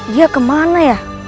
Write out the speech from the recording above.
dia kemana ya